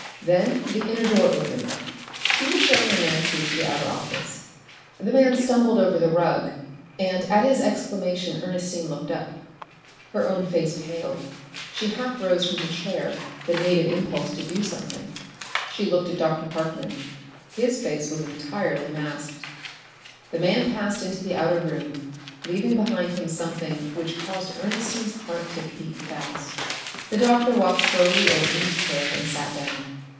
Then the inner door opened; he was showing a man through to the outer office. The man stumbled over the rug, and at his exclamation Ernestine looked up. Her own face paled; she half rose from her chair; the native impulse to do something. She looked at Dr. Parkman. His face was entirely masked. The man passed into the outer room, leaving behind him something which caused Ernestine's heart to beat fast. The doctor walked slowly over to his chair and sat down.